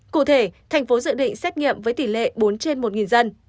cụ thể thành phố dự định xét nghiệm với tỷ lệ bốn trên một dân